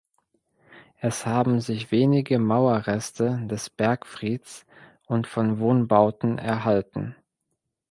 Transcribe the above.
Es haben sich wenige Mauerreste des Bergfrieds und von Wohnbauten erhalten.